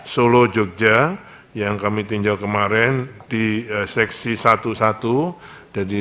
solo jogja yang kami tinjau kemarin di seksi satu satu